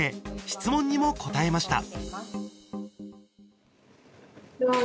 質問にも答えました。